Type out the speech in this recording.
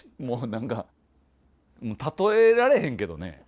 もう何か例えられへんけどね。